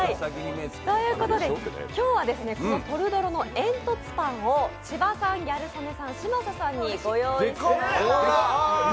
今日はトルドロの煙突パンを千葉さん、ギャル曽根さん、嶋佐さんにご用意しました。